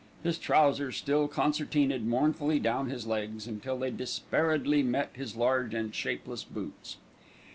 His trousers still concertinaed mournfully down his legs until they despairedly met his large and shapeless boots.